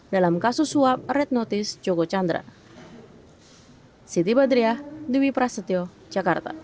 dalam kasus suap red notice joko chandra